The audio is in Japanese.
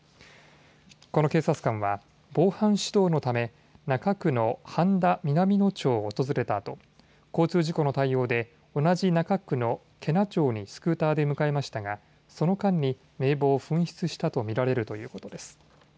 この警察官は防犯指導のため中区の八田南之町を訪れたあと同じ中区の対応で同じ中区の毛穴町にスクーターで向かいましたがその間に名簿を紛失したと見られるということです。